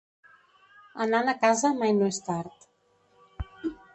Anant a casa mai no és tard.